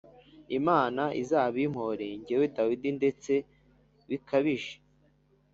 Imana izabimpore jyewe Dawidi, ndetse bikabije.